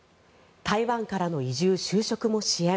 台湾からの移住・就職も支援。